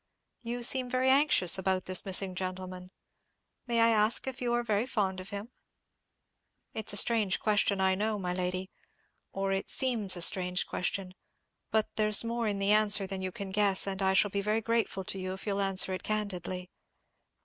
You seem very anxious about this missing gentleman; may I ask if you are very fond of him? It's a strange question, I know, my lady—or it seems a strange question—but there's more in the answer than you can guess, and I shall be very grateful to you if you'll answer it candidly."